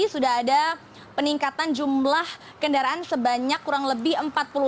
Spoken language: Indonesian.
sudah ada peningkatan jumlah kendaraan sebanyak kurang lebih dari satu lima juta orang di jawa tengah